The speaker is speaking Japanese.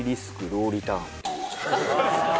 ローリターンか。